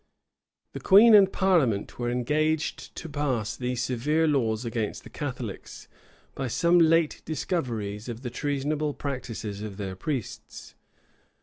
The queen and parliament were engaged to pass these severe laws against the Catholics, by some late discoveries of the treasonable practices of their priests.